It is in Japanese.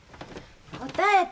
答えて！